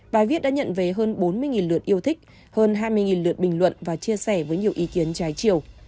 bài viết đã nhận về hơn bốn mươi lượt yêu thích hơn hai mươi lượt bình luận và chia sẻ với nhiều ý kiến trái chiều